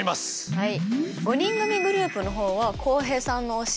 はい。